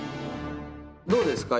どうですか？